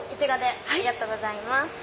ありがとうございます。